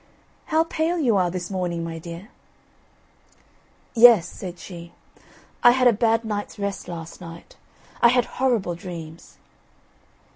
"How pale you are this morning, my dear." "Yes," said she, "I had a bad night's rest last night. I had horrible dreams."